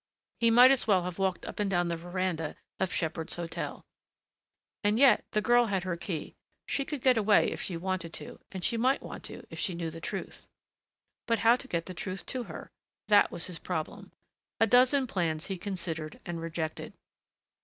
He might as well have walked up and down the veranda of Shepheard's Hotel. And yet the girl had her key. She could get away if she wanted to and she might want to if she knew the truth. But how to get that truth to her? That was his problem. A dozen plans he considered and rejected.